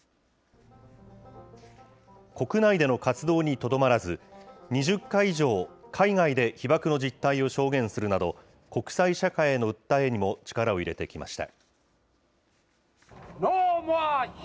国内での活動にとどまらず、２０回以上海外で被爆の実態を証言するなど、国際社会への訴えにも力を入れてきました。